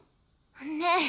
ねえ。